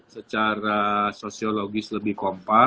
secara sosiologis lebih kompak